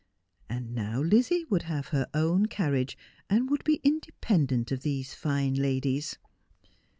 And now Lizzie would have her own carriage, and would be independent of these fine ladies.